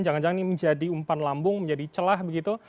jangan jangan ini menjadi umpan lambung menjadi celah begitu